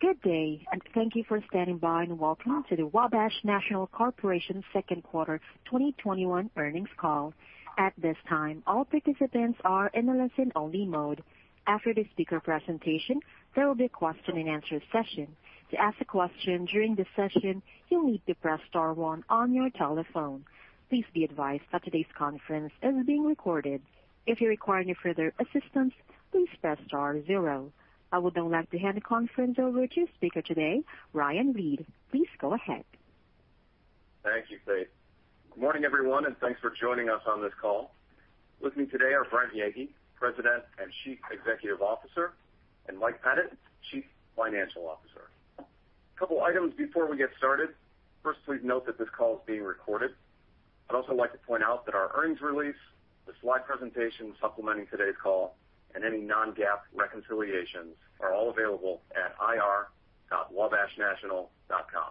Good day, and thank you for standing by, and welcome to the Wabash National Corporation second quarter 2021 earnings call. At this time, all participants are in a listen-only mode. After the speaker presentation, there will be a question-and-answer session. To ask a question during the session, you need to press star one on your telephone. Please be advised that today's conference is being recorded. If you require any further assistance, please press star zero. I would now like to hand the conference over to your speaker today, Ryan Reed. Please go ahead. Thank you, Faith. Good morning, everyone, thanks for joining us on this call. With me today are Brent Yeagy, President and Chief Executive Officer, and Mike Pettit, Chief Financial Officer. Couple items before we get started. First, please note that this call is being recorded. I'd also like to point out that our earnings release, the slide presentation supplementing today's call, and any non-GAAP reconciliations are all available at ir.wabashnational.com.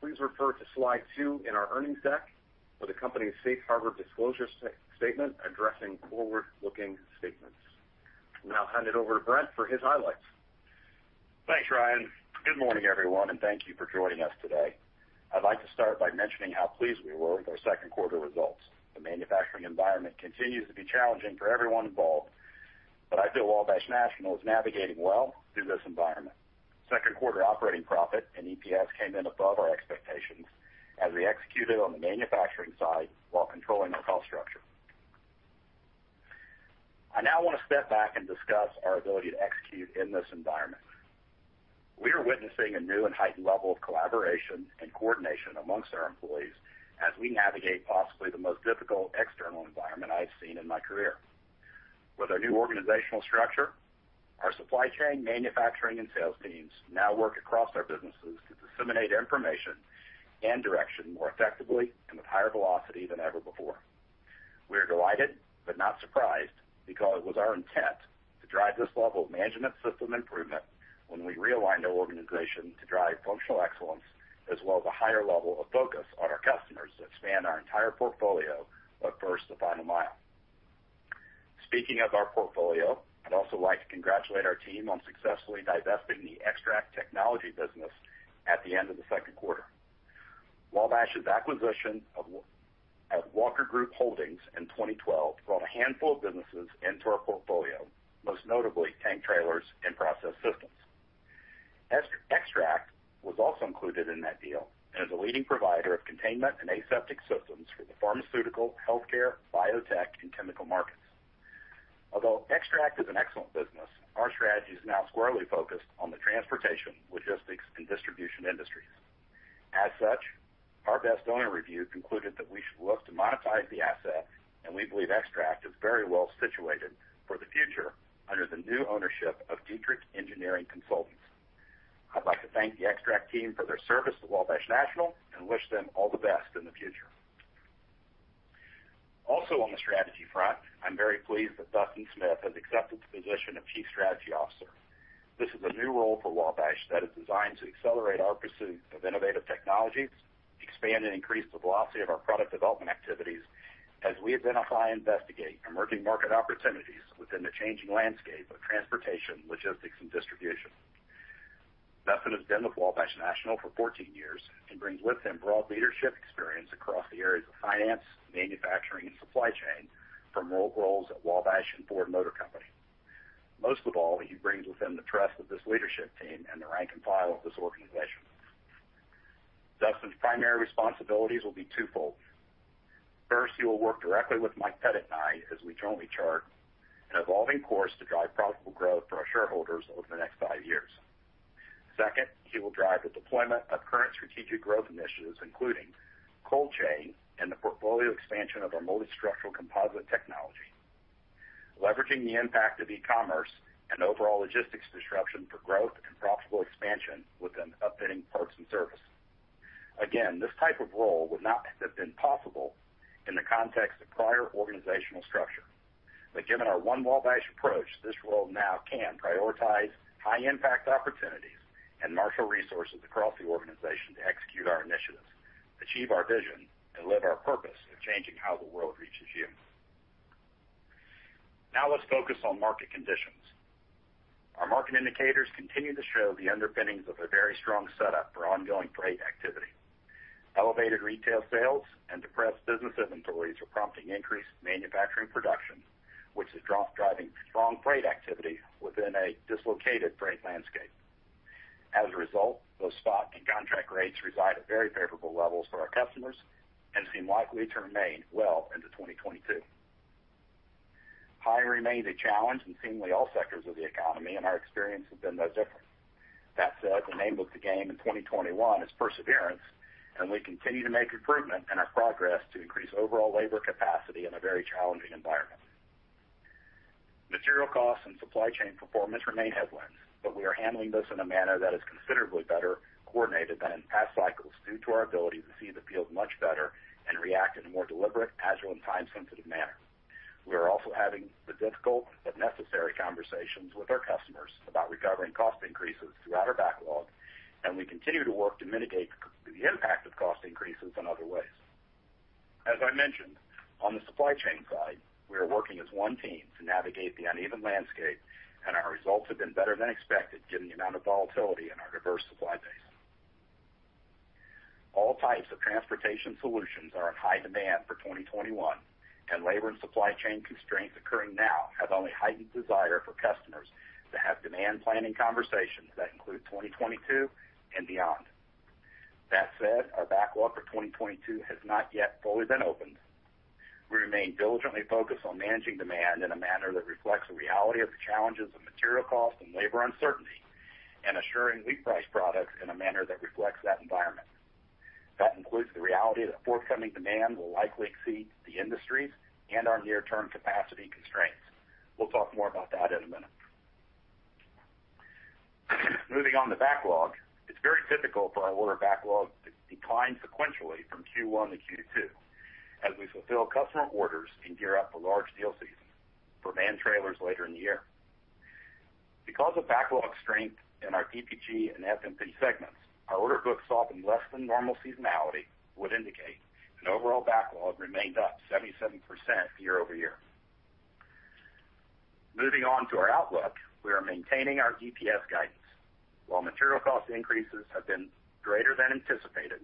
Please refer to slide two in our earnings deck for the company's safe harbor disclosure statement addressing forward-looking statements. I'll now hand it over to Brent for his highlights. Thanks, Ryan. Good morning, everyone, and thank you for joining us today. I'd like to start by mentioning how pleased we were with our second quarter results. The manufacturing environment continues to be challenging for everyone involved, but I feel Wabash National is navigating well through this environment. Second quarter operating profit and EPS came in above our expectations as we executed on the manufacturing side while controlling our cost structure. I now want to step back and discuss our ability to execute in this environment. We are witnessing a new and heightened level of collaboration and coordination amongst our employees as we navigate possibly the most difficult external environment I have seen in my career. With our new organizational structure, our supply chain, manufacturing, and sales teams now work across our businesses to disseminate information and direction more effectively and with higher velocity than ever before. We are delighted but not surprised because it was our intent to drive this level of management system improvement when we realigned our organization to drive functional excellence as well as a higher level of focus on our customers that span our entire portfolio but first to final mile. Speaking of our portfolio, I'd also like to congratulate our team on successfully divesting the Extract Technology business at the end of the second quarter. Wabash's acquisition of Walker Group Holdings in 2012 brought a handful of businesses into our portfolio, most notably Tank Trailers and Process Systems. Extract was also included in that deal and is a leading provider of containment and aseptic systems for the pharmaceutical, healthcare, biotech, and chemical markets. Although Extract is an excellent business, our strategy is now squarely focused on the transportation, logistics, and distribution industries. As such, our best owner review concluded that we should look to monetize the asset, and we believe Extract is very well situated for the future under the new ownership of Dietrich Engineering Consultants. I'd like to thank the Extract team for their service to Wabash National and wish them all the best in the future. Also on the strategy front, I'm very pleased that Dustin Smith has accepted the position of Chief Strategy Officer. This is a new role for Wabash that is designed to accelerate our pursuit of innovative technologies, expand and increase the velocity of our product development activities as we identify and investigate emerging market opportunities within the changing landscape of transportation, logistics, and distribution. Dustin has been with Wabash National for 14 years and brings with him broad leadership experience across the areas of finance, manufacturing, and supply chain from roles at Wabash and Ford Motor Company. Most of all, he brings with him the trust of this leadership team and the rank and file of this organization. Dustin's primary responsibilities will be twofold. First, he will work directly with Mike Pettit and I as we jointly chart an evolving course to drive profitable growth for our shareholders over the next five years. Second, he will drive the deployment of current strategic growth initiatives, including cold chain and the portfolio expansion of our molded structural composite technology, leveraging the impact of e-commerce and overall logistics disruption for growth and profitable expansion within upfitting parts and service. Again, this type of role would not have been possible in the context of prior organizational structure. Given our One Wabash approach, this role now can prioritize high-impact opportunities and marshal resources across the organization to execute our initiatives, achieve our vision, and live our purpose of changing how the world reaches you. Let's focus on market conditions. Our market indicators continue to show the underpinnings of a very strong setup for ongoing freight activity. Elevated retail sales and depressed business inventories are prompting increased manufacturing production, which is driving strong freight activity within a dislocated freight landscape. As a result, those spot and contract rates reside at very favorable levels for our customers and seem likely to remain well into 2022. Hiring remains a challenge in seemingly all sectors of the economy, and our experience has been no different. That said, the name of the game in 2021 is perseverance, and we continue to make improvement in our progress to increase overall labor capacity in a very challenging environment. Material costs and supply chain performance remain headlines, but we are handling this in a manner that is considerably better coordinated than in past cycles due to our ability to see the field much better and react in a more deliberate, agile, and time-sensitive manner. We are also having the difficult but necessary conversations with our customers about recovering cost increases throughout our backlog, and we continue to work to mitigate the impact of cost increases in other ways. As I mentioned, on the supply chain side, we are working as one team to navigate the uneven landscape, and our results have been better than expected given the amount of volatility in our diverse supply base. All types of transportation solutions are in high demand for 2021, and labor and supply chain constraints occurring now have only heightened desire for customers to have demand planning conversations that include 2022 and beyond. That said, our backlog for 2022 has not yet fully been opened. We remain diligently focused on managing demand in a manner that reflects the reality of the challenges of material costs and labor uncertainty, and assuring we price products in a manner that reflects that environment. That includes the reality that forthcoming demand will likely exceed the industries and our near-term capacity constraints. We'll talk more about that in a minute. Moving on to backlog, it's very typical for our order backlog to decline sequentially from Q1 to Q2, as we fulfill customer orders and gear up for large deal season for van trailers later in the year. Because of backlog strength in our DPG and FMP segments, our order book softened less than normal seasonality would indicate, and overall backlog remained up 77% year-over-year. Moving on to our outlook, we are maintaining our EPS guidance. While material cost increases have been greater than anticipated,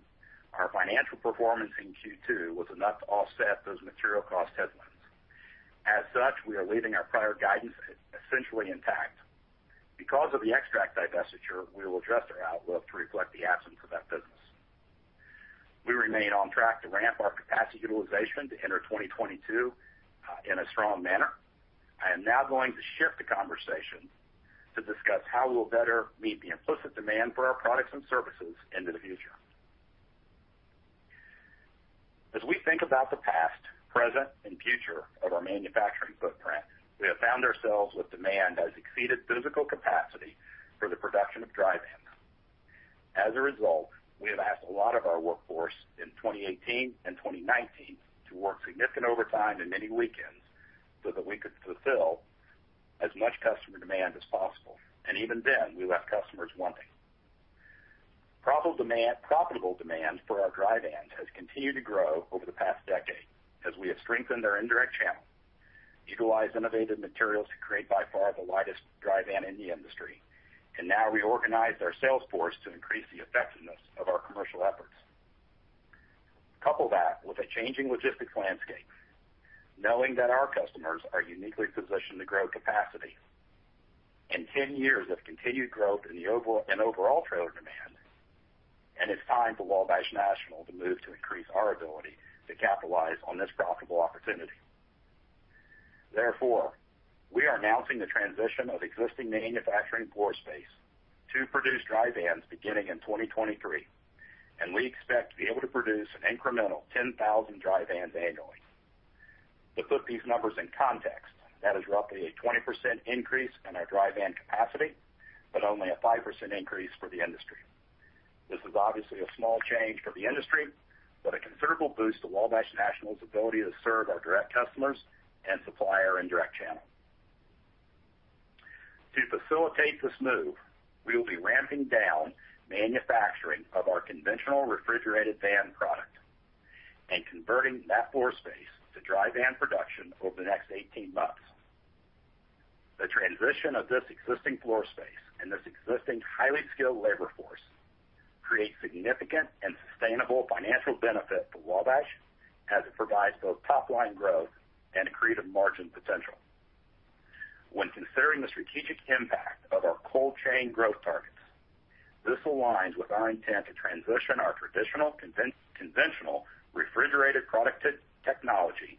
our financial performance in Q2 was enough to offset those material cost headwinds. As such, we are leaving our prior guidance essentially intact. Because of the Extract divestiture, we will adjust our outlook to reflect the absence of that business. We remain on track to ramp our capacity utilization to enter 2022 in a strong manner. I am now going to shift the conversation to discuss how we'll better meet the implicit demand for our products and services into the future. As we think about the past, present, and future of our manufacturing footprint, we have found ourselves with demand that has exceeded physical capacity for the production of dry vans. As a result, we have asked a lot of our workforce in 2018 and 2019 to work significant overtime and many weekends so that we could fulfill as much customer demand as possible, and even then, we left customers wanting. Profitable demand for our dry vans has continued to grow over the past decade as we have strengthened our indirect channel, utilized innovative materials to create by far the lightest dry van in the industry, and now reorganized our sales force to increase the effectiveness of our commercial efforts. Couple that with a changing logistics landscape, knowing that our customers are uniquely positioned to grow capacity, and 10 years of continued growth in overall trailer demand, it's time for Wabash National to move to increase our ability to capitalize on this profitable opportunity. Therefore, we are announcing the transition of existing manufacturing floor space to produce dry van beginning in 2023, and we expect to be able to produce an incremental 10,000 dry van annually. To put these numbers in context, that is roughly a 20% increase in our dry van capacity, but only a 5% increase for the industry. This is obviously a small change for the industry, but a considerable boost to Wabash National's ability to serve our direct customers and supply our indirect channel. To facilitate this move, we will be ramping down manufacturing of our conventional refrigerated van product and converting that floor space to dry van production over the next 18 months. The transition of this existing floor space and this existing highly skilled labor force create significant and sustainable financial benefit to Wabash, as it provides both top-line growth and accretive margin potential. When considering the strategic impact of our cold chain growth targets, this aligns with our intent to transition our traditional, conventional refrigerated product technology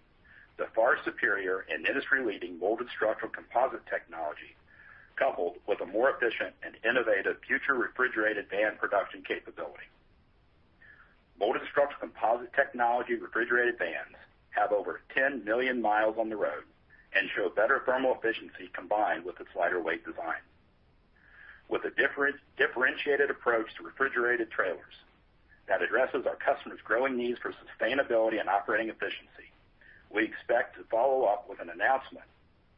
to far superior and industry-leading molded structural composite technology, coupled with a more efficient and innovative future refrigerated van production capability. Molded structural composite technology refrigerated van have over 10 million miles on the road and show better thermal efficiency combined with its lighter weight design. With a differentiated approach to refrigerated trailers that addresses our customers' growing needs for sustainability and operating efficiency, we expect to follow up with an announcement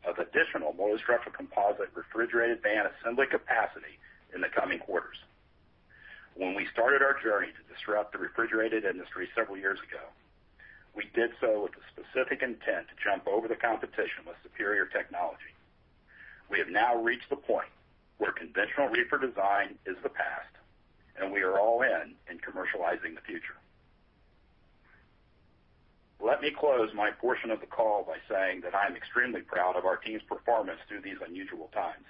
of additional molded structural composite refrigerated van assembly capacity in the coming quarters. When we started our journey to disrupt the refrigerated industry several years ago, we did so with the specific intent to jump over the competition with superior technology. We have now reached the point where conventional reefer design is the past, and we are all in in commercializing the future. Let me close my portion of the call by saying that I am extremely proud of our team's performance through these unusual times.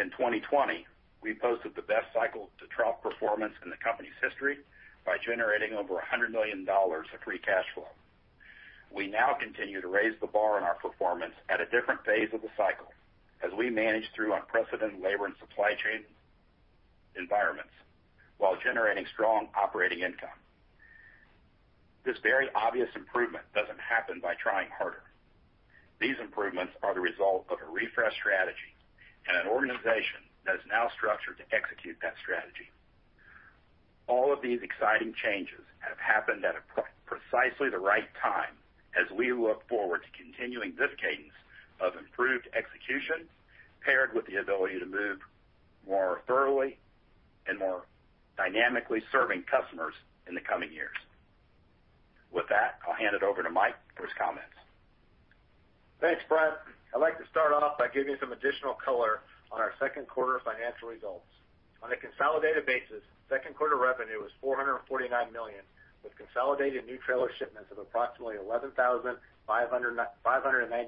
In 2020, we posted the best cycle-to-trough performance in the company's history by generating over $100 million of free cash flow. We now continue to raise the bar on our performance at a different phase of the cycle as we manage through unprecedented labor and supply chain environments while generating strong operating income. This very obvious improvement doesn't happen by trying harder. These improvements are the result of a refreshed strategy and an organization that is now structured to execute that strategy. All of these exciting changes have happened at precisely the right time as we look forward to continuing this cadence of improved execution paired with the ability to move more thoroughly and more dynamically serving customers in the coming years. With that, I'll hand it over to Mike for his comments. Thanks, Brent. I'd like to start off by giving some additional color on our second quarter financial results. On a consolidated basis, second quarter revenue was $449 million, with consolidated new trailer shipments of approximately 11,590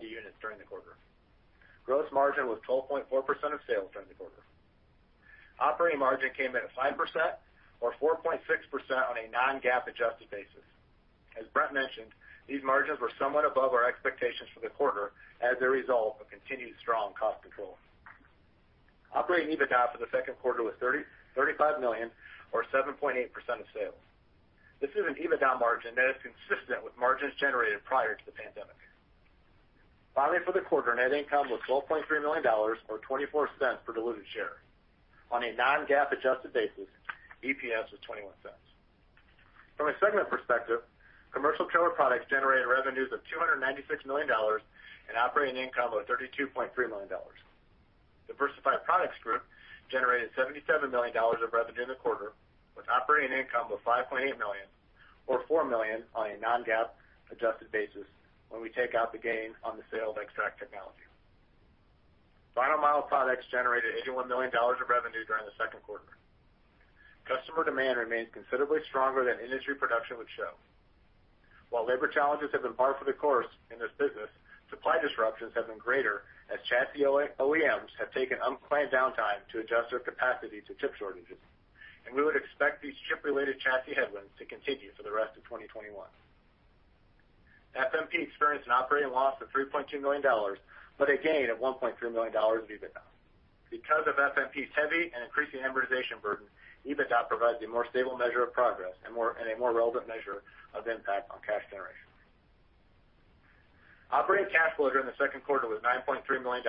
units during the quarter. Gross margin was 12.4% of sales during the quarter. Operating margin came in at 5%, or 4.6% on a non-GAAP adjusted basis. As Brent mentioned, these margins were somewhat above our expectations for the quarter as a result of continued strong cost control. Operating EBITDA for the second quarter was $35 million, or 7.8% of sales. This is an EBITDA margin that is consistent with margins generated prior to the pandemic. For the quarter, net income was $12.3 million, or $0.24 per diluted share. On a non-GAAP adjusted basis, EPS was $0.21. From a segment perspective, Commercial Trailer Products generated revenues of $296 million, and operating income of $32.3 million. Diversified Products Group generated $77 million of revenue in the quarter, with operating income of $5.8 million, or $4 million on a non-GAAP adjusted basis when we take out the gain on the sale of Extract Technology. Final Mile Products generated $81 million of revenue during the second quarter. Customer demand remains considerably stronger than industry production would show. While labor challenges have been par for the course in this business, supply disruptions have been greater as chassis OEMs have taken unplanned downtime to adjust their capacity to chip shortages. We would expect these chip-related chassis headwinds to continue for the rest of 2021. FMP experienced an operating loss of $3.2 million, but a gain of $1.3 million of EBITDA. Because of FMP's heavy and increasing amortization burden, EBITDA provides a more stable measure of progress and a more relevant measure of impact on cash generation. Operating cash flow during the second quarter was $9.3 million.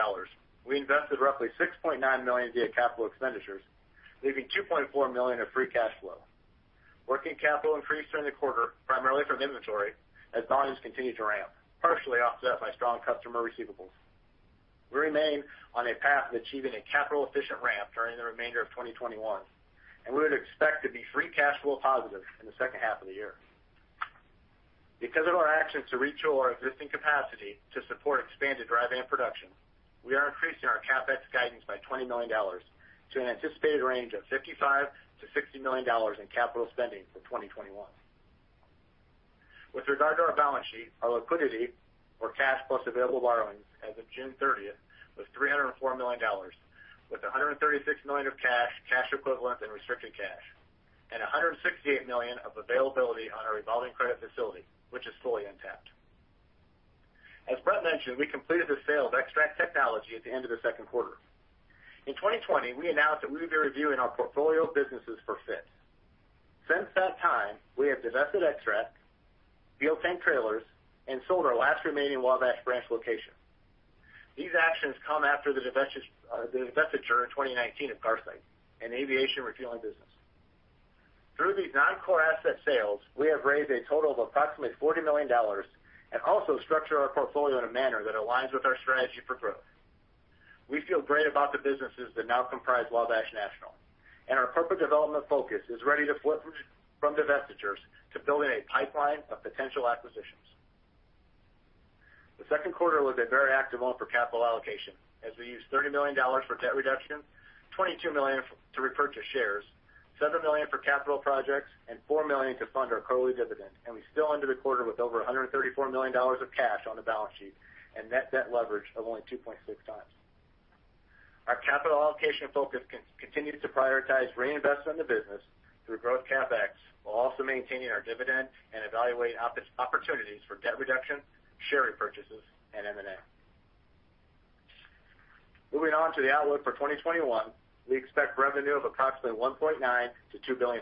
We invested roughly $6.9 million via capital expenditures, leaving $2.4 million of free cash flow. Working capital increased during the quarter, primarily from inventory, as volumes continue to ramp, partially offset by strong customer receivables. We remain on a path of achieving a capital-efficient ramp during the remainder of 2021, and we would expect to be free cash flow positive in the second half of the year. Because of our actions to retool our existing capacity to support expanded dry van production, we are increasing our CapEx guidance by $20 million to an anticipated range of $55 million-$60 million in capital spending for 2021. With regard to our balance sheet, our liquidity or cash plus available borrowings as of June 30th was $304 million, with $136 million of cash equivalents, and restricted cash, and $168 million of availability on our revolving credit facility, which is fully intact. As Brent mentioned, we completed the sale of Extract Technology at the end of the second quarter. In 2020, we announced that we would be reviewing our portfolio of businesses for fit. Since that time, we have divested Extract, fuel tank trailers, and sold our last remaining Wabash branch location. These actions come after the divestiture in 2019 of Garsite, an aviation refueling business. Through these non-core asset sales, we have raised a total of approximately $40 million and also structured our portfolio in a manner that aligns with our strategy for growth. We feel great about the businesses that now comprise Wabash National. Our corporate development focus is ready to flip from divestitures to building a pipeline of potential acquisitions. The second quarter was a very active one for capital allocation, as we used $30 million for debt reduction, $22 million to repurchase shares, $7 million for capital projects, and $4 million to fund our quarterly dividend. We still ended the quarter with over $134 million of cash on the balance sheet and net debt leverage of only 2.6x. Our capital allocation focus continues to prioritize reinvestment in the business through growth CapEx, while also maintaining our dividend and evaluate opportunities for debt reduction, share repurchases, and M&A. Moving on to the outlook for 2021, we expect revenue of approximately $1.9 billion-$2 billion.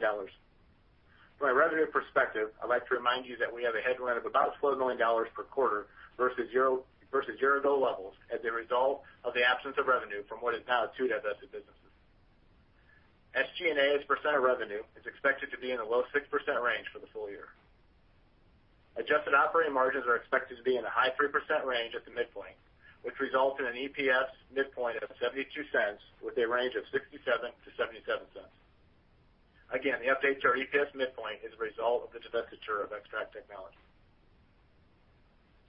From a revenue perspective, I'd like to remind you that we have a headwind of about $12 million per quarter versus year-ago levels as a result of the absence of revenue from what is now two divested businesses. SG&A as a percent of revenue is expected to be in the low 6% range for the full year. Adjusted operating margins are expected to be in the high 3% range at the midpoint, which results in an EPS midpoint of $0.72, with a range of $0.67-$0.77. Again, the update to our EPS midpoint is a result of the divestiture of Extract Technology.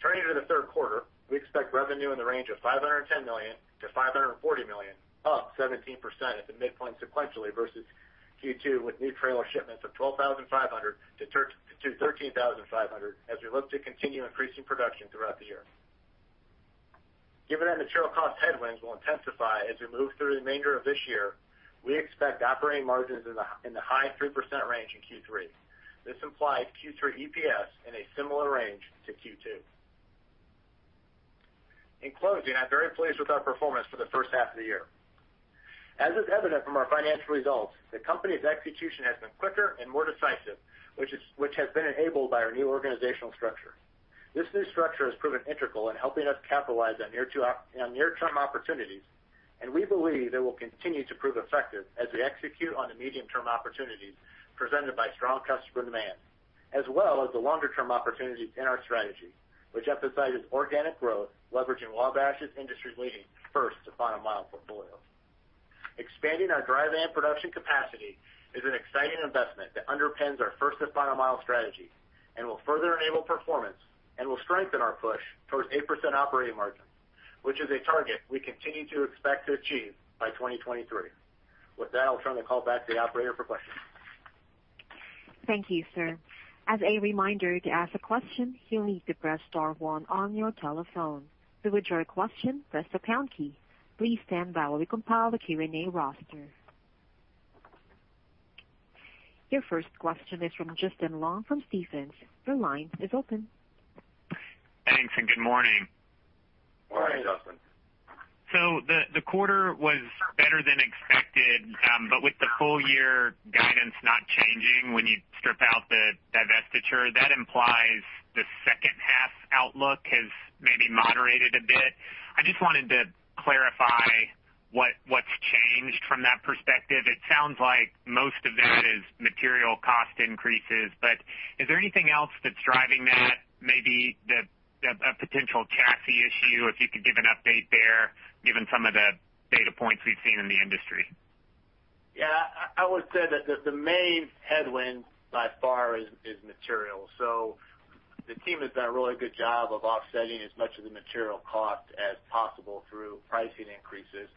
Turning to the third quarter, we expect revenue in the range of $510 million-$540 million, up 17% at the midpoint sequentially versus Q2 with new trailer shipments of 12,500-13,500 as we look to continue increasing production throughout the year. Given that material cost headwinds will intensify as we move through the remainder of this year, we expect operating margins in the high 3% range in Q3. This implies Q3 EPS in a similar range to Q2. In closing, I'm very pleased with our performance for the first half of the year. As is evident from our financial results, the company's execution has been quicker and more decisive, which has been enabled by our new organizational structure. This new structure has proven integral in helping us capitalize on near-term opportunities, and we believe it will continue to prove effective as we execute on the medium-term opportunities presented by strong customer demand as well as the longer-term opportunities in our strategy, which emphasizes organic growth, leveraging Wabash's industry-leading first to final mile portfolio. Expanding our dry van production capacity is an exciting investment that underpins our first to final mile strategy and will further enable performance and will strengthen our push towards 8% operating margin, which is a target we continue to expect to achieve by 2023. With that, I'll turn the call back to the operator for questions. Thank you, sir. As a reminder, to ask a question, you'll need to press star one on your telephone. To withdraw your question, press the pound key. Please stand by while we compile the Q&A roster. Your first question is from Justin Long from Stephens. Your line is open. Thanks, and good morning. Morning, Justin. The quarter was better than expected, but with the full year guidance not changing when you strip out the divestiture, that implies the second half outlook has maybe moderated a bit. I just wanted to clarify what's changed from that perspective. It sounds like most of it is material cost increases, but is there anything else that's driving that, maybe a potential chassis issue, if you could give an update there, given some of the data points we've seen in the industry? Yeah. I would say that the main headwind by far is material. The team has done a really good job of offsetting as much of the material cost as possible through pricing increases.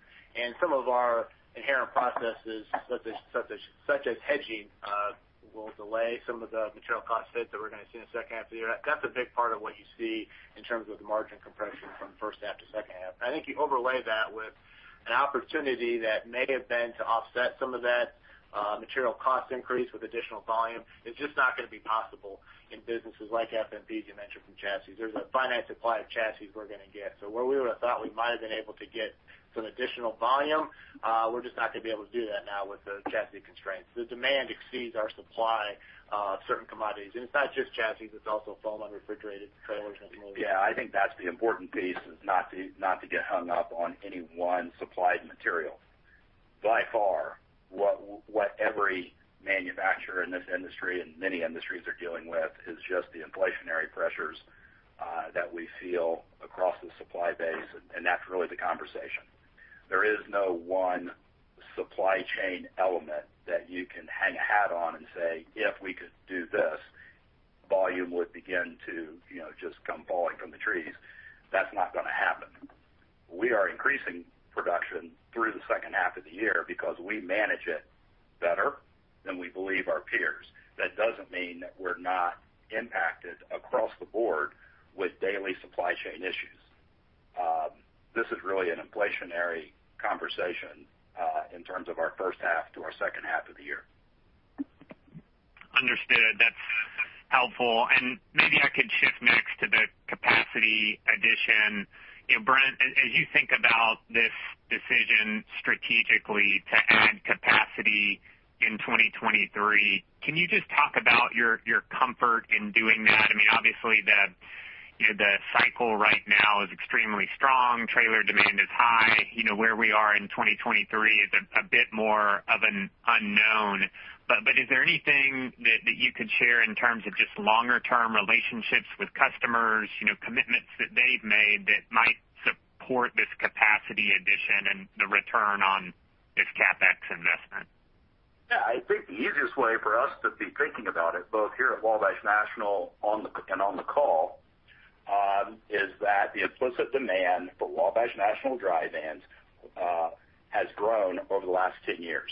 Some of our inherent processes, such as hedging, will delay some of the material cost hits that we're going to see in the second half of the year. That's a big part of what you see in terms of the margin compression from first half to second half. I think you overlay that with an opportunity that may have been to offset some of that material cost increase with additional volume. It's just not going to be possible in businesses like FMP, as you mentioned, from chassis. There's a finite supply of chassis we're going to get. Where we would've thought we might have been able to get some additional volume, we're just not going to be able to do that now with the chassis constraints. The demand exceeds our supply of certain commodities, and it's not just chassis, it's also foam on refrigerated trailers. Yeah. I think that's the important piece is not to get hung up on any one supplied material. By far, what every manufacturer in this industry and many industries are dealing with is just the inflationary pressures that we feel across the supply base, and that's really the conversation. There is no one supply chain element that you can hang a hat on and say, "If we could do this, volume would begin to just come falling from the trees." That's not going to happen. We are increasing production through the second half of the year because we manage it better than we believe our peers. That doesn't mean that we're not impacted across the board with daily supply chain issues. This is really an inflationary conversation in terms of our first half to our second half of the year. Understood. That's helpful. Maybe I could shift next to the capacity addition. Brent, as you think about this decision strategically to add capacity in 2023, can you just talk about your comfort in doing that? Obviously, the cycle right now is extremely strong. Trailer demand is high. Where we are in 2023 is a bit more of an unknown. Is there anything that you could share in terms of just longer-term relationships with customers, commitments that they've made that might support this capacity addition and the return on this CapEx investment? Yeah. I think the easiest way for us to be thinking about it, both here at Wabash National and on the call, is that the implicit demand for Wabash National dry vans has grown over the last 10 years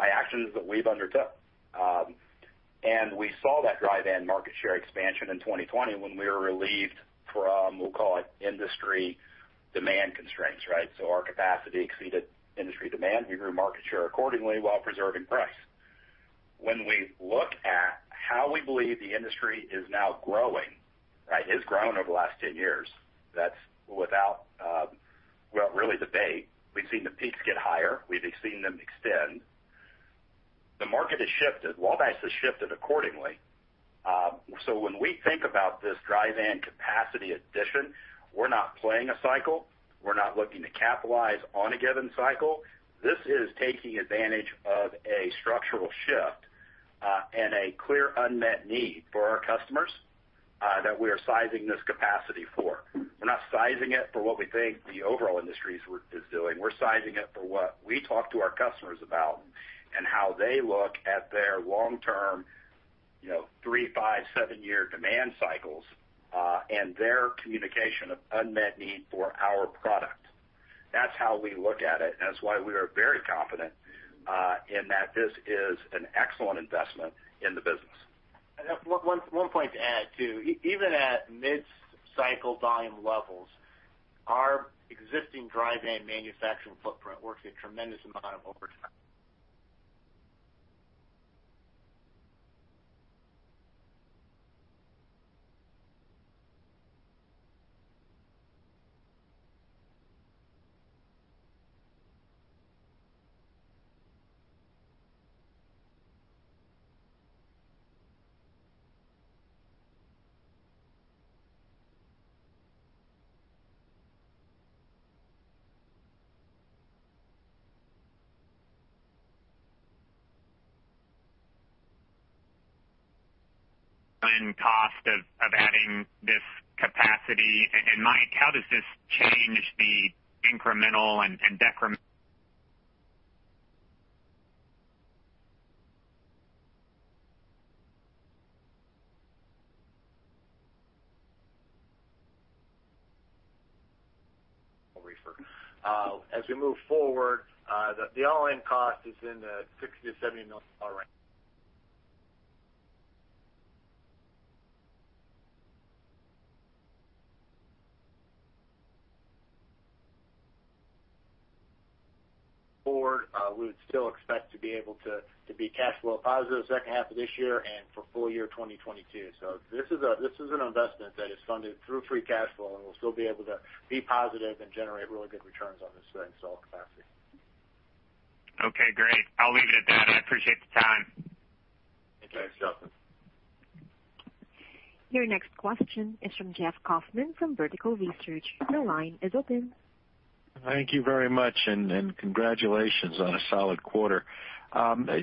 by actions that we've undertook. We saw that dry van market share expansion in 2020 when we were relieved from, we'll call it, industry demand constraints, right? Our capacity exceeded industry demand. We grew market share accordingly while preserving price. When we look at how we believe the industry is now growing, has grown over the last 10 years, that's without, really debate. We've seen the peaks get higher. We've seen them extend. The market has shifted. Wabash has shifted accordingly. When we think about this dry van capacity addition, we're not playing a cycle. We're not looking to capitalize on a given cycle. This is taking advantage of a structural shift, and a clear unmet need for our customers, that we are sizing this capacity for. We're not sizing it for what we think the overall industry is doing. We're sizing it for what we talk to our customers about, and how they look at their long-term, three, five, seven-year demand cycles, and their communication of unmet need for our product. That's how we look at it, That's why we are very confident in that this is an excellent investment in the business. One point to add, too. Even at mid-cycle volume levels, our existing dry van manufacturing footprint works a tremendous amount of overtime. Cost of adding this capacity. Mike, how does this change the incremental and decre- Reefer. As we move forward, the all-in cost is in the $60 million-$70 million range. Forward, we would still expect to be able to be cash flow positive second half of this year and for full year 2022. This is an investment that is funded through free cash flow, and we'll still be able to be positive and generate really good returns on this installed capacity. Okay, great. I'll leave it at that. I appreciate the time. Thanks, Justin. Your next question is from Jeff Kauffman from Vertical Research. Your line is open. Thank you very much, and congratulations on a solid quarter.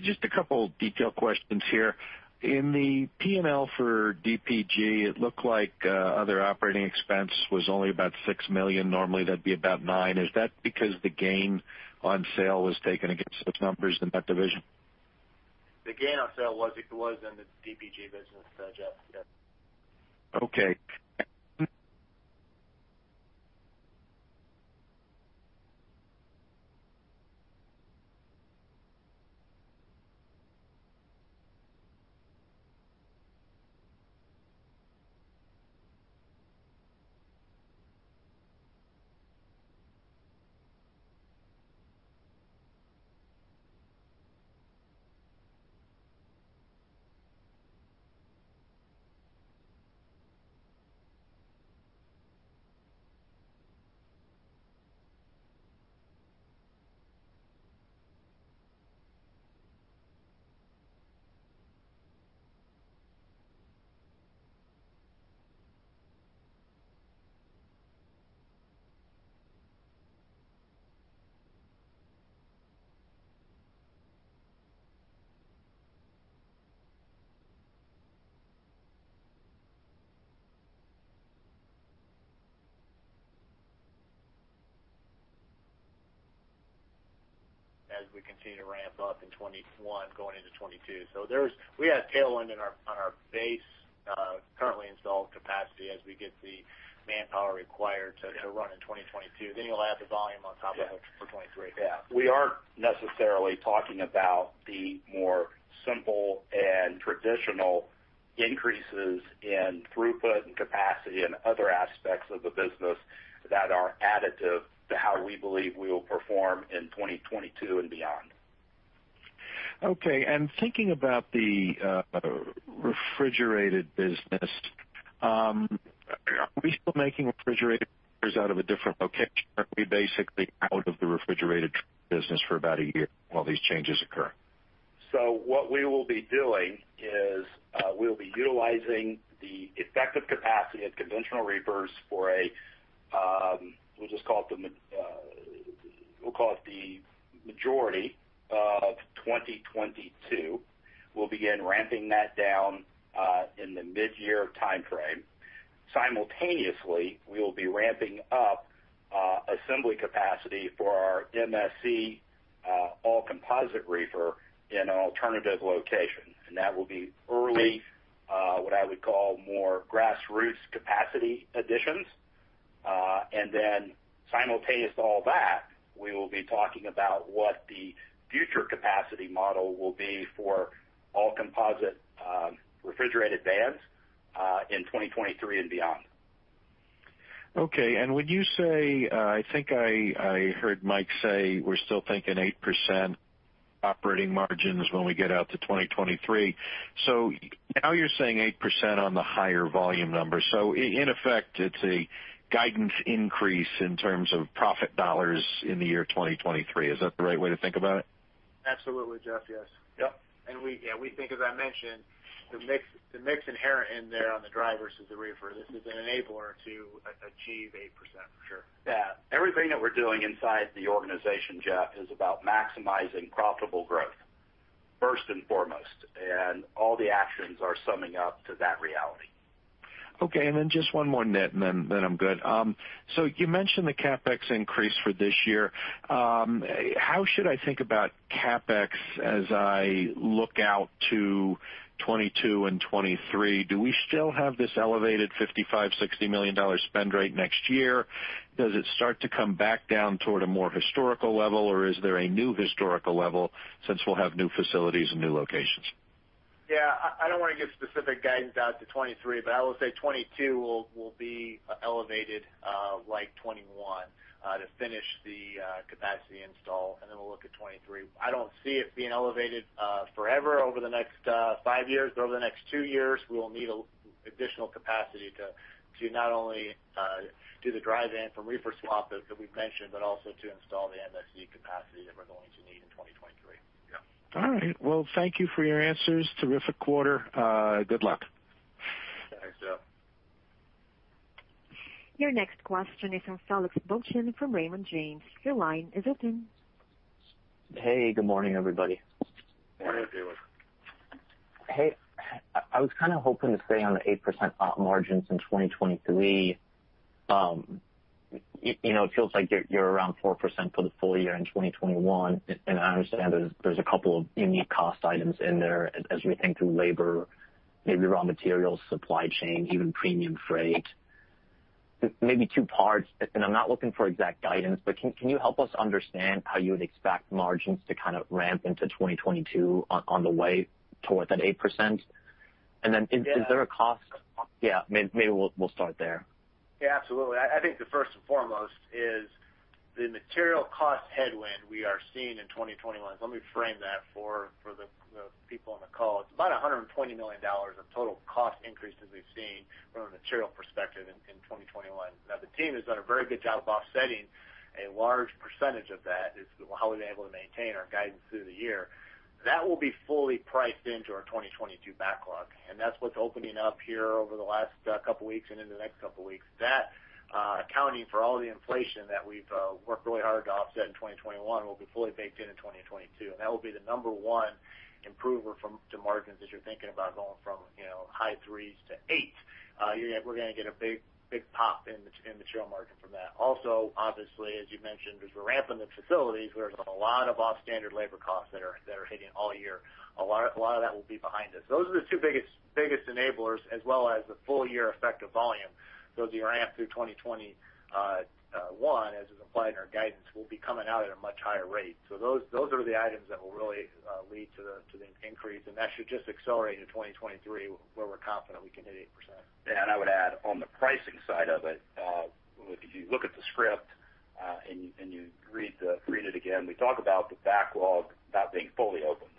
Just a couple detail questions here. In the P&L for DPG, it looked like other operating expense was only about $6 million. Normally, that'd be about $9 million. Is that because the gain on sale was taken against those numbers in that division? The gain on sale was in the DPG business, Jeff. Yes. Okay. We continue to ramp up in 2021, going into 2022. We have tailwind on our base currently installed capacity as we get the manpower required to run in 2022, then you'll add the volume on top of it for 2023. Yeah. We aren't necessarily talking about the more simple and traditional increases in throughput and capacity and other aspects of the business that are additive to how we believe we will perform in 2022 and beyond. Okay. Thinking about the refrigerated business, are we still making refrigerated out of a different location? Aren't we basically out of the refrigerated business for about a year while these changes occur? What we will be doing is, we'll be utilizing the effective capacity at conventional reefers for, we'll call it the majority of 2022. We'll begin ramping that down in the mid-year timeframe. Simultaneously, we will be ramping up assembly capacity for our MSC all-composite reefer in an alternative location. That will be early, what I would call more grassroots capacity additions. Then simultaneous to all that, we will be talking about what the future capacity model will be for all-composite refrigerated van in 2023 and beyond. Okay. When you say, I think I heard Mike say we're still thinking 8% operating margins when we get out to 2023. Now you're saying 8% on the higher volume number. In effect, it's a guidance increase in terms of profit dollars in the year 2023. Is that the right way to think about it? Absolutely, Jeff. Yes. Yep. We think, as I mentioned, the mix inherent in there on the dry versus the reefer, this is an enabler to achieve 8%, for sure. Yeah. Everything that we're doing inside the organization, Jeff, is about maximizing profitable growth, first and foremost. All the actions are summing up to that reality. Okay, just one more nit and then I'm good. You mentioned the CapEx increase for this year. How should I think about CapEx as I look out to 2022 and 2023? Do we still have this elevated $55 million, $60 million spend rate next year? Does it start to come back down toward a more historical level, or is there a new historical level since we'll have new facilities and new locations? I don't want to give specific guidance out to 2023, but I will say 2022 will be elevated like 2021 to finish the capacity install, and then we'll look at 2023. I don't see it being elevated forever over the next five years, but over the next two years, we will need additional capacity to not only do the dry van from reefer swap that we've mentioned, but also to install the MSC capacity that we're going to need in 2023. Yeah. All right. Thank you for your answers. Terrific quarter. Good luck. Thanks, Jeff. Your next question is from Felix Boeschen from Raymond James. Your line is open. Hey, good morning, everybody. Morning, Felix. Hey. I was kind of hoping to stay on the 8% op margins in 2023. It feels like you're around 4% for the full year in 2021. I understand there's a couple of unique cost items in there as we think through labor, maybe raw materials, supply chain, even premium freight. Maybe two parts, and I'm not looking for exact guidance, but can you help us understand how you would expect margins to kind of ramp into 2022 on the way towards that 8%? Yeah Is there a cost- Yeah, maybe we'll start there. Yeah, absolutely. I think the first and foremost is the material cost headwind we are seeing in 2021. Let me frame that for the people on the call. It's about $120 million of total cost increases we've seen from a material perspective in 2021. The team has done a very good job offsetting a large percentage of that. It's how we've been able to maintain our guidance through the year. That will be fully priced into our 2022 backlog. That's what's opening up here over the last couple of weeks and into the next couple of weeks. That, accounting for all the inflation that we've worked really hard to offset in 2021, will be fully baked in in 2022. That will be the number one improver to margins as you're thinking about going from high 3%s to 8%. We're going to get a big pop in material margin from that. Also, obviously, as you mentioned, there's ramp in the facilities where there's a lot of off-standard labor costs that are hitting all year. A lot of that will be behind us. Those are the two biggest enablers as well as the full year effect of volume. Those you ramped through 2021, as is applied in our guidance, will be coming out at a much higher rate. Those are the items that will really lead to the increase, and that should just accelerate in 2023, where we're confident we can hit 8%. I would add, on the pricing side of it, if you look at the script and you read it again, we talk about the backlog not being fully opened.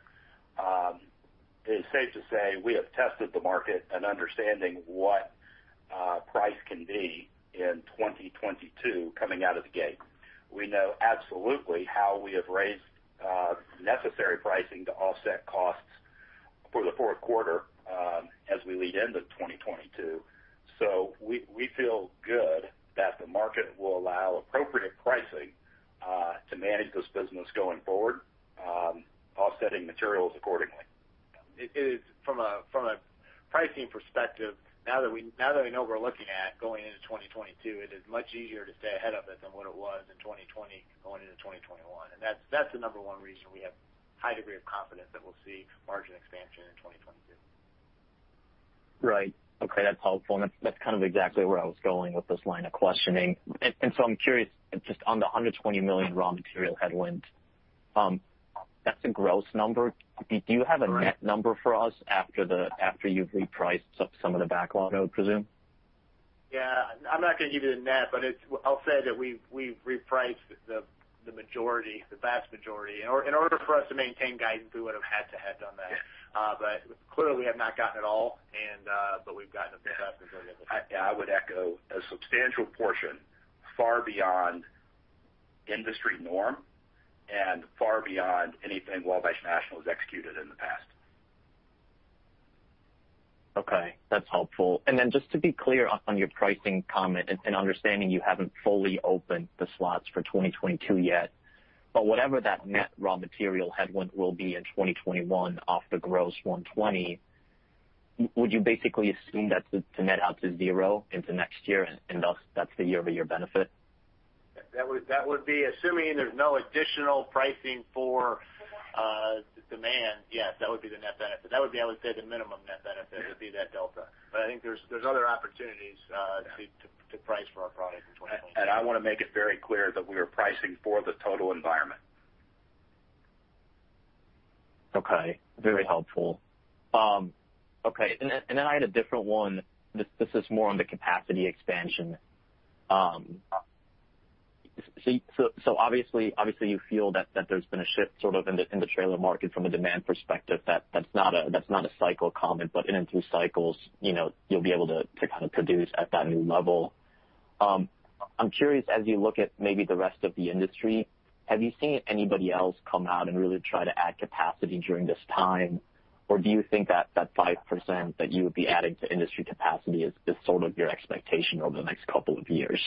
It is safe to say we have tested the market in understanding what price can be in 2022 coming out of the gate. We know absolutely how we have raised necessary pricing to offset costs for the fourth quarter as we lead into 2022. We feel good that the market will allow appropriate pricing to manage this business going forward, offsetting materials accordingly. From a pricing perspective, now that we know what we're looking at going into 2022, it is much easier to stay ahead of it than what it was in 2020 going into 2021. That's the number one reason we have a high degree of confidence that we'll see margin expansion in 2022. Right. Okay, that's helpful, and that's kind of exactly where I was going with this line of questioning. I'm curious, just on the $120 million raw material headwind, that's a gross number. Correct. Do you have a net number for us after you've repriced some of the backlog, I would presume? Yeah. I'm not going to give you the net. I'll say that we've repriced the majority, the vast majority. In order for us to maintain guidance, we would've had to have done that. Yeah. Clearly, we have not gotten it all, but we've gotten a vast majority of it. Yeah, I would echo a substantial portion far beyond industry norm and far beyond anything Wabash National has executed in the past. Okay, that's helpful. Just to be clear on your pricing comment, and understanding you haven't fully opened the slots for 2022 yet, but whatever that net raw material headwind will be in 2021 off the gross $120, would you basically assume that to net out to zero into next year, and thus that's the year-over-year benefit? That would be, assuming there's no additional pricing for the demand, yes, that would be the net benefit. That would be, I would say, the minimum net benefit would be that delta. I think there's other opportunities to price for our product in 2022. I want to make it very clear that we are pricing for the total environment. Okay. Very helpful. Okay. Then I had a different one. This is more on the capacity expansion. Obviously you feel that there's been a shift sort of in the trailer market from a demand perspective. That's not a cycle comment, but in a few cycles you'll be able to kind of produce at that new level. I'm curious, as you look at maybe the rest of the industry, have you seen anybody else come out and really try to add capacity during this time? Do you think that that 5% that you would be adding to industry capacity is sort of your expectation over the next couple of years?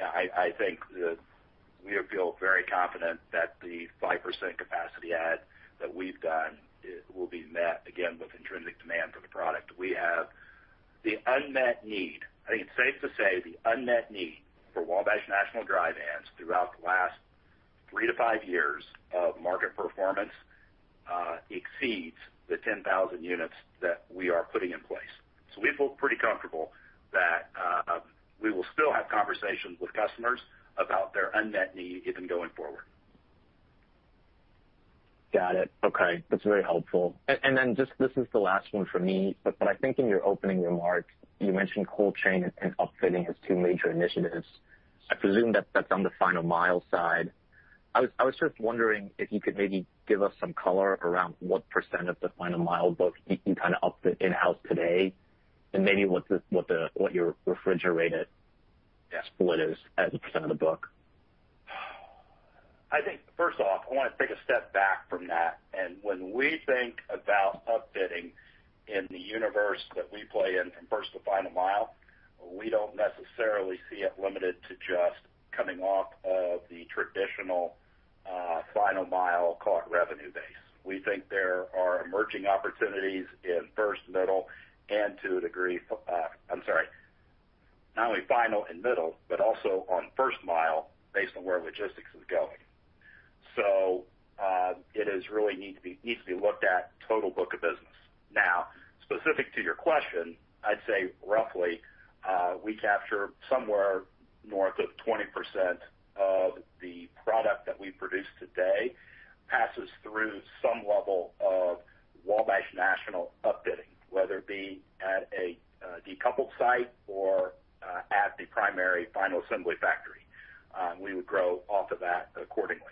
I think that we feel very confident that the 5% capacity add that we've done will be met, again, with intrinsic demand for the product. We have the unmet need. I think it's safe to say the unmet need for Wabash National dry vans throughout the last three to five years of market performance exceeds the 10,000 units that we are putting in place. We feel pretty comfortable that we will still have conversations with customers about their unmet need even going forward. Got it. Okay. That's very helpful. Then just, this is the last one from me, but I think in your opening remarks, you mentioned cold chain and upfitting as two major initiatives. I presume that that's on the final mile side. I was just wondering if you could maybe give us some color around what percent of the final mile book you can kind of upfit in-house today, and maybe what your refrigerated split is as a percent of the book. I think first off, I want to take a step back from that. When we think about upfitting in the universe that we play in from first to final mile, we don't necessarily see it limited to just coming off of the traditional final mile core revenue base. We think there are emerging opportunities in first, middle, and to a degree I'm sorry, not only final and middle, but also on first mile based on where logistics is going. It is really needs to be looked at total book of business. Now, specific to your question, I'd say roughly, we capture somewhere north of 20% of the product that we produce today, passes through some level of Wabash National upfitting, whether it be at a decoupled site or at the primary final assembly factory. We would grow off of that accordingly.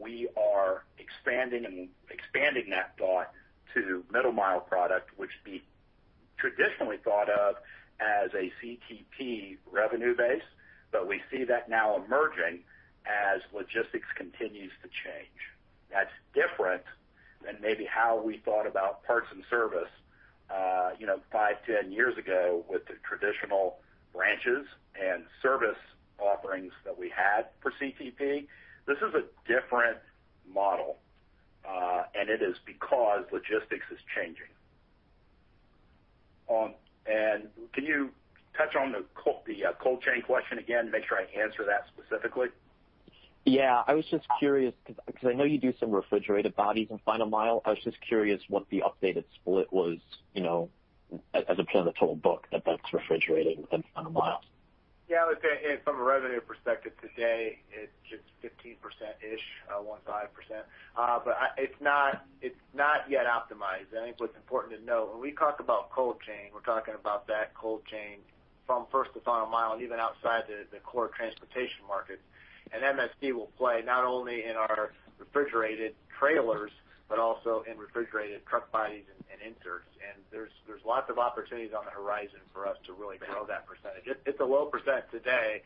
We are expanding that thought to middle mile product, which would be traditionally thought of as a CTP revenue base. But we see that now emerging as logistics continues to change. That's different than maybe how we thought about parts and service, five, 10 years ago with the traditional branches and service offerings that we had for CTP. This is a different model, and it is because logistics is changing. Can you touch on the cold chain question again? Make sure I answer that specifically. Yeah. I was just curious because I know you do some refrigerated bodies in final mile. I was just curious what the updated split was, as a percent of total book that that's refrigerated in final mile. Look, from a revenue perspective today, it's just 15%-ish, 15%. It's not yet optimized. I think what's important to note when we talk about cold chain, we're talking about that cold chain from first to final mile and even outside the core transportation market. MSC will play not only in our refrigerated trailers, but also in refrigerated truck bodies and inserts. There's lots of opportunities on the horizon for us to really grow that percentage. It's a low percent today.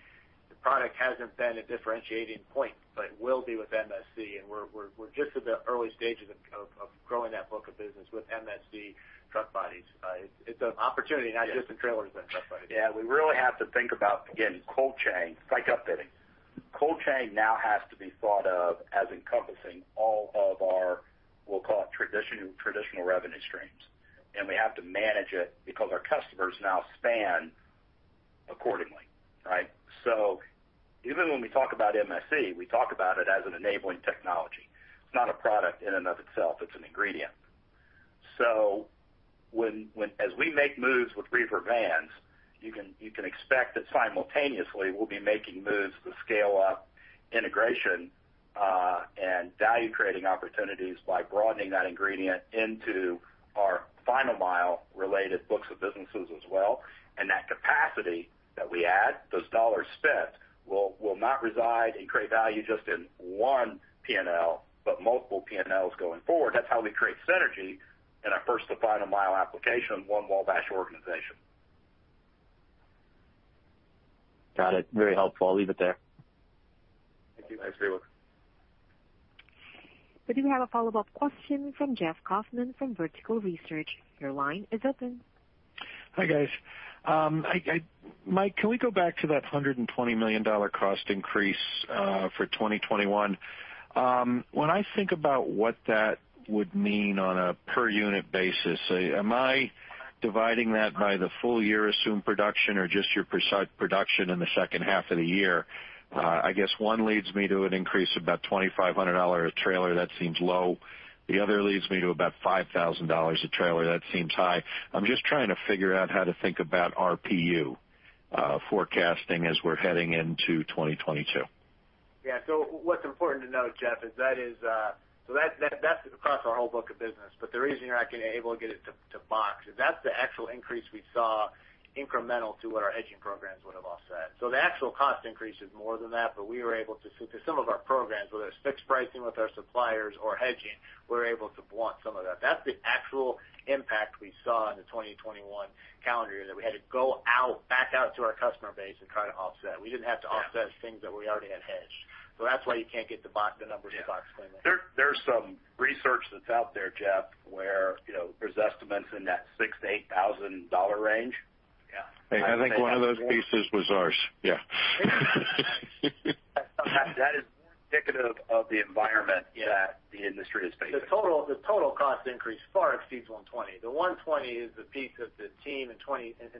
The product hasn't been a differentiating point, but it will be with MSC, and we're just at the early stages of growing that book of business with MSC truck bodies. It's an opportunity not just in trailers, but in truck bodies. We really have to think about, again, cold chain, like upfitting. Cold chain now has to be thought of as encompassing all of our, we'll call it traditional revenue streams. We have to manage it because our customers now span accordingly, right? Even when we talk about MSC, we talk about it as an enabling technology. It's not a product in and of itself. It's an ingredient. As we make moves with reefer vans, you can expect that simultaneously, we'll be making moves to scale up integration, and value creating opportunities by broadening that ingredient into our final mile related books of businesses as well. That capacity that we add, those dollars spent, will not reside and create value just in one P&L, but multiple P&Ls going forward. That's how we create synergy in our first to final mile application, One Wabash organization. Got it. Very helpful. I'll leave it there. Thank you. Thanks, Felix. We do have a follow-up question from Jeff Kauffman from Vertical Research. Your line is open. Hi, guys. Mike, can we go back to that $120 million cost increase, for 2021? When I think about what that would mean on a per unit basis, am I dividing that by the full year assumed production or just your precise production in the second half of the year? I guess one leads me to an increase of about $2,500 a trailer. That seems low. The other leads me to about $5,000 a trailer. That seems high. I'm just trying to figure out how to think about RPU forecasting as we're heading into 2022. What's important to note, Jeff, that's across our whole book of business. The reason you're not going to be able to get it to box is that's the actual increase we saw incremental to what our hedging programs would have offset. The actual cost increase is more than that. We were able to, through some of our programs, whether it's fixed pricing with our suppliers or hedging, we're able to blunt some of that. That's the actual impact we saw in the 2021 calendar year, that we had to go back out to our customer base and try to offset. We didn't have to offset things that we already had hedged. That's why you can't get the numbers to box fully. There's some research that's out there, Jeff, where there's estimates in that $6,000-$8,000 range. Yeah. I think one of those pieces was ours. Yeah. That is indicative of the environment that the industry is facing. The total cost increase far exceeds $120 million. That $120 million is the piece that the team in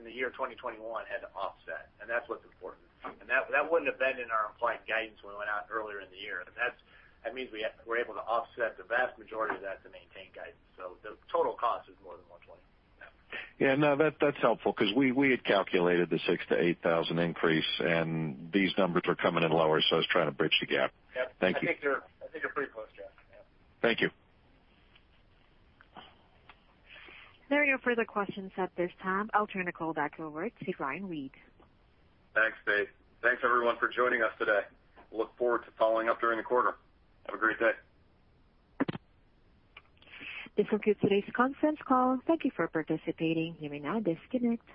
the year 2021 had to offset, and that's what's important. That wouldn't have been in our implied guidance when we went out earlier in the year. That means we're able to offset the vast majority of that to maintain guidance. The total cost is more than $120 million. Yeah. That's helpful because we had calculated the $6,000-$8,000 increase, and these numbers are coming in lower. I was trying to bridge the gap. Yep. Thank you. I think you're pretty close, Jeff. Yeah. Thank you. There are no further questions at this time. I'll turn the call back over to Ryan Reed. Thanks, Faith. Thanks, everyone, for joining us today. Look forward to following up during the quarter. Have a great day. This concludes today's conference call. Thank you for participating. You may now disconnect.